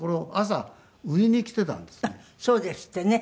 あっそうですってね。